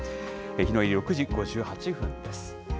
日の入り、６時５８分です。